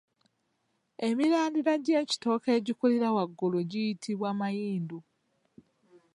Emirandira gy’ekitooke egikulira waggulu giyitibwa mayindu.